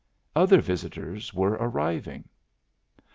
Other visitors were arriving.